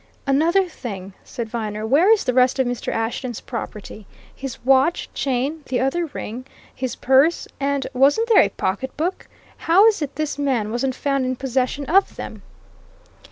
"Another thing," said Viner. "Where is the rest of Mr. Ashton's property his watch, chain, the other ring, his purse, and wasn't there a pocketbook? How is it this man wasn't found in possession of them?"